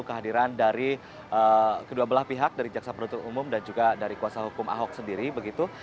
kehadiran dari kedua belah pihak dari jaksa penuntut umum dan juga dari kuasa hukum ahok sendiri begitu